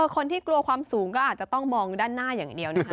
คนที่กลัวความสูงก็อาจจะต้องมองด้านหน้าอย่างเดียวนะคะ